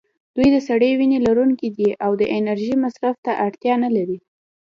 دوی د سړې وینې لرونکي دي او د انرژۍ مصرف ته اړتیا نه لري.